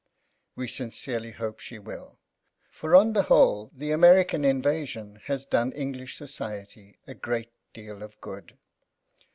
We sincerely hope she will; for, on the whole, the American invasion has done English society a great deal of good.